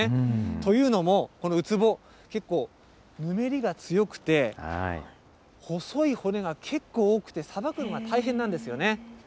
というのも、このウツボ、結構ぬめりが強くて、細い骨が結構多くて、さばくのが大変なんですよね。